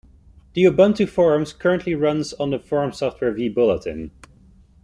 The Ubuntu Forums currently runs on the forum software vBulletin.